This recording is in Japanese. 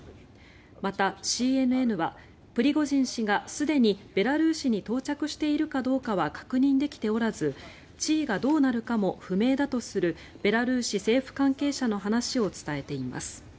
また、ＣＮＮはプリゴジン氏がすでにベラルーシに到着しているかどうかは確認できておらず地位がどうなるかも不明だとするベラルーシ政府関係者の話を伝えています。